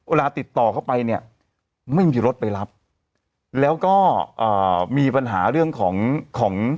เวลาติดต่อเข้าไปเนี่ยไม่มีรถไปรับแล้วก็อ่ามีปัญหาเรื่องของของ